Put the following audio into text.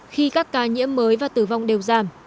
khi các ca nhiễm mới và tử vong đều giảm